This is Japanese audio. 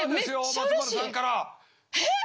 松丸さんから。